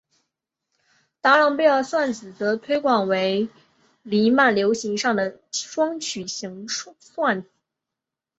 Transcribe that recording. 达朗贝尔算子则推广为伪黎曼流形上的双曲型算子。